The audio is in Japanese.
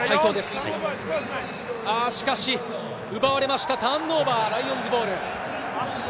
しかし奪われましたターンオーバー、ライオンズボール。